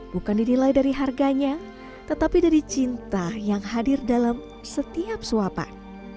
bukan didilai dari harganya tetapi dari cinta yang hadir dalam setiap suapan